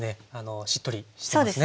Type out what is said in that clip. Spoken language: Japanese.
しっとりしてますね。